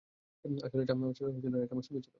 আসলে এটা আমার সাজার অংশ ছিল না, এটা আমার সঙ্গী ছিল।